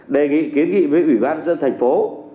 đề nghị kiến nghị với ủy ban dân thành phố